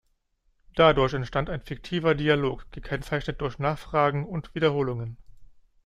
Dadurch entstand ein fiktiver Dialog, gekennzeichnet durch Nachfragen und Wiederholungen.